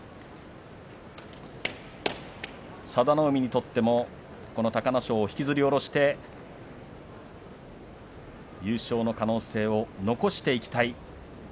佐田の海にとってもこの隆の勝を引きずり降ろして優勝の可能性を残していきたい